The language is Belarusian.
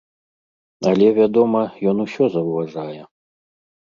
Але, вядома, ён усё заўважае.